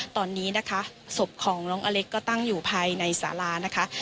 ตอนนี้นะคะศพของน้องอเล็กก็ตั้งอยู่ภายในสารานะคะ